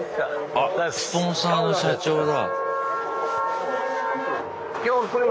あっスポンサーの社長だ。